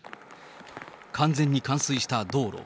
完全に冠水した道路。